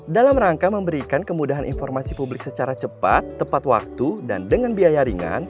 dalam rangka memberikan kemudahan informasi publik secara cepat tepat waktu dan dengan biaya ringan